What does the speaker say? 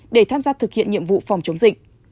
để tham gia thực hiện nhiệm vụ phòng chống dịch